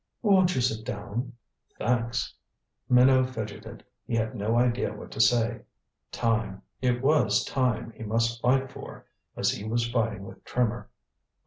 "Won't you sit down?" "Thanks." Minot fidgeted. He had no idea what to say. Time it was time he must fight for, as he was fighting with Trimmer.